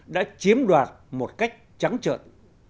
đã chiếm đoạt một cách trắng trợn